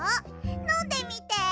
のんでみて。